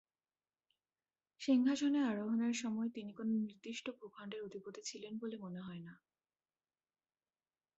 সিংহাসনে আরোহণের সময় তিনি কোনো নির্দিষ্ট ভূখন্ডের অধিপতি ছিলেন বলে মনে হয় না।